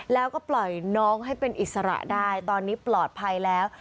แล้วก็ปล่อยน้องให้เป็นอิสระได้ตอนนี้ปลอดภัยแล้ว